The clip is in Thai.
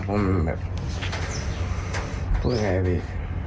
คุยกันไงบี